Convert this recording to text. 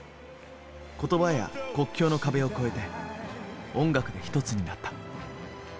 言葉や国境の壁を超えて音楽で一つになった。